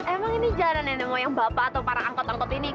emang ini jalan yang mau yang bapak atau para angkot angkot ini